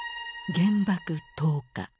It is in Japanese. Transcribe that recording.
原爆投下。